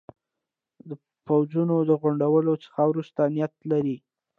د پوځونو د غونډولو څخه وروسته نیت لري.